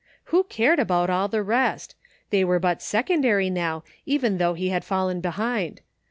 Who cared about all the rest? They were but secondary now even though he had fallen behind.